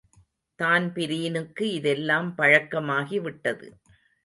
தான்பிரீனுக்கு இதெல்லாம் பழக்கமாகிவிட்டது.